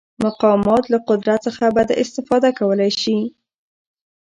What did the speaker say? مقامات له قدرت څخه بده استفاده کولی شي.